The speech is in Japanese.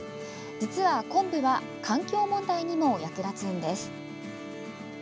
実は、昆布は環境問題にも役立つんです。